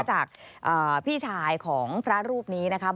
จากพี่ชายของพระรูปนี้นะครับ